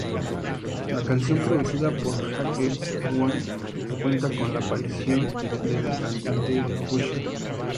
La canción, producida por Jake One, cuenta con la aparición del cantante Usher.